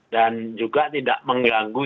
dan juga tidak mengganggu